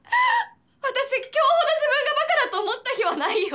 私今日ほど自分がバカだと思った日はないよ。